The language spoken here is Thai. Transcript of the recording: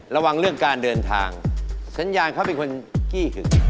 ระวังเรื่องการเดินทางสัญญาณเขาเป็นคนขี้ขึง